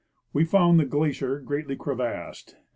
We found the glacier greatly crevassed and.